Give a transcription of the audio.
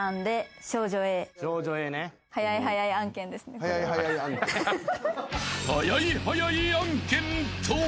［早い早い案件とは？］